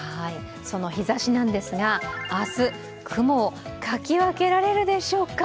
その日ざしなんですが、明日、雲をかき分けられるでしょうか。